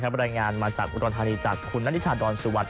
บรรยายงานจากอุดรฐานีจากนาฬิชาดอลสุวรรณ